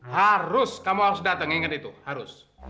harus kamu harus datang ingat itu harus